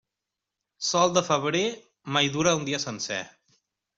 Sol de febrer, mai dura un dia sencer.